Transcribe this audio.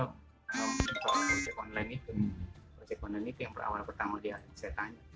kalau mencari konsep online itu konsep online itu yang awal pertama dia saya tanya